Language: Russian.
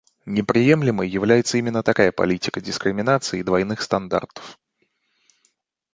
Неприемлемой является именно такая политика дискриминации и двойных стандартов.